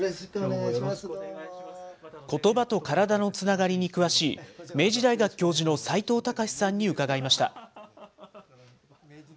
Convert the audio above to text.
ことばと体のつながりに詳しい、明治大学教授の齋藤孝さんに伺いました。